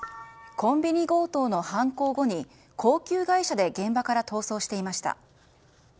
コンビニ強盗の犯行後に高級外車で現場から逃走していました。